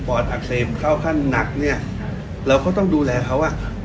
อดอักเสบเข้าขั้นหนักเนี่ยเราก็ต้องดูแลเขาอ่ะ